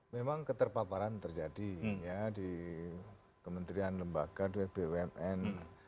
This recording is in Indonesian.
memang keterpaparan terjadi ya di kementerian lembaga wbumn